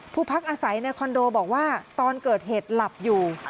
พักอาศัยในคอนโดบอกว่าตอนเกิดเหตุหลับอยู่